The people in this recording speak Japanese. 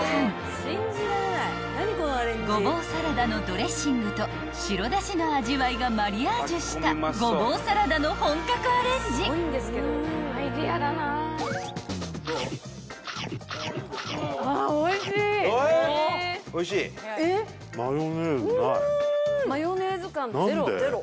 ［ゴボウサラダのドレッシングと白だしの味わいがマリアージュしたゴボウサラダの本格アレンジ］何で？